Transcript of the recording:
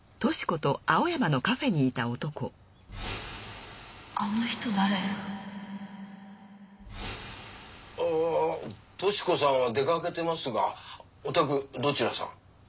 とし子さんは出かけてますがおたくどちらさん？